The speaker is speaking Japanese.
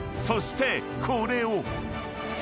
［そしてこれを］